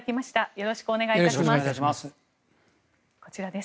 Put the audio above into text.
よろしくお願いします。